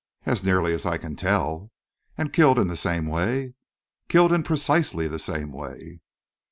"As nearly as I can tell." "And killed in the same way?" "Killed in precisely the same way."